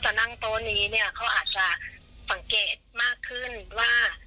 นั่งโต๊ะนี้เนี่ยเขาอาจจะสังเกตมากขึ้นว่า